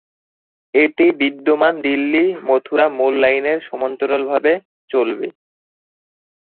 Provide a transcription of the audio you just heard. এটি বিদ্যমান দিল্লি-মথুরা মূল লাইনের সমান্তরালভাবে চলবে।